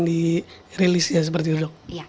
di rilis ya seperti itu dok